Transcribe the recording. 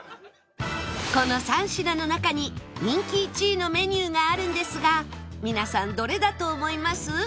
この３品の中に人気１位のメニューがあるんですが皆さんどれだと思います？